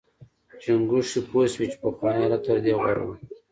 چنګښې پوه شوې چې پخوانی حالت تر دې غوره و.